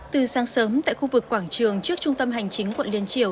từ sáng sớm tại khu vực quảng trường trước trung tâm hành chính quận liên triều